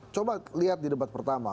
coba lihat di debat pertama